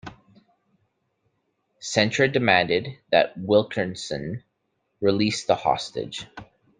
Centre demanded that Wilkerson release the hostage.